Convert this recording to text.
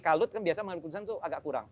kalut kan biasa mengambil keputusan itu agak kurang